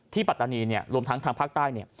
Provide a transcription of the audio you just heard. ปัตตานีเนี่ยรวมทั้งทางภาคใต้เนี่ย